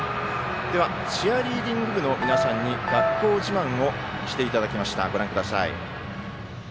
チアリーディング部の皆さんに学校自慢をしていただきました。